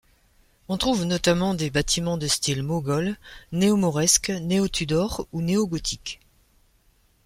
On trouve notamment des bâtiments de style moghole, néo-mauresque, néo-Tudor ou néo-gothique.